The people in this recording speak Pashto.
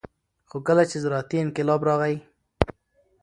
خو کله چې زراعتي انقلاب راغى